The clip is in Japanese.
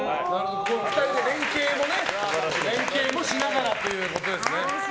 ２人で連携もしながらっていうことですね。